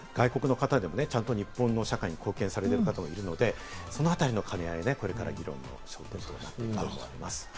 もちろん外国の方でちゃんと日本の社会に貢献されている方はいるので、そのあたりの兼ね合いがこれからの議論になると思います。